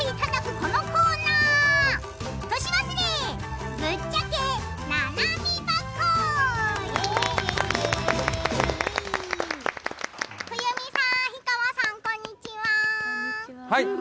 こんにちは。